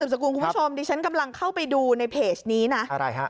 สกุลคุณผู้ชมดิฉันกำลังเข้าไปดูในเพจนี้นะอะไรฮะ